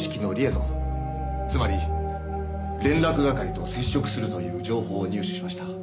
つまり連絡係と接触するという情報を入手しました。